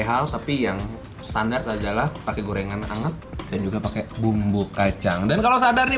hal tapi yang standar adalah pakai gorengan anget dan juga pakai bumbu kacang dan kalau sadar nih